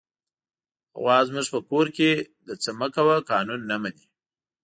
غوا زموږ په کور کې د "څه مه کوه" قانون نه مني.